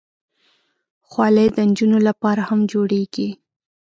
خولۍ د نجونو لپاره هم جوړېږي.